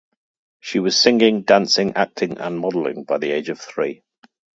She was singing, dancing, acting, and modeling by the age of three.